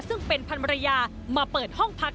ซึ่งเป็นพันรยามาเปิดห้องพัก